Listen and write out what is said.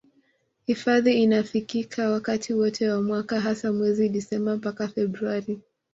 Hifadhi inafikika wakati wote wa mwaka hasa mwezi Disemba mpaka Februari